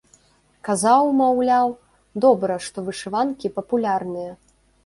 Казаў, маўляў, добра, што вышыванкі папулярныя.